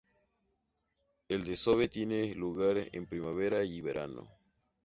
El desove tiene lugar en primavera y verano.